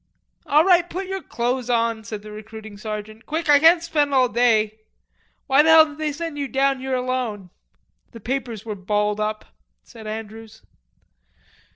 "All right, put yer clothes on," said the recruiting sergeant. "Quick, I can't spend all day. Why the hell did they send you down here alone?" "The papers were balled up," said Andrews.